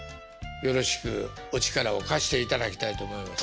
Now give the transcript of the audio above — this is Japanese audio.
よろしくお力を貸していただきたいと思います。